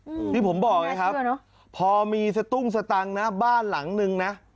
อืมที่ผมบอกไงครับอ่ะเนอะพอมีสตุ้งสตังค์นะบ้านหลังนึงนะ